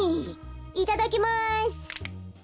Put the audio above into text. いただきます。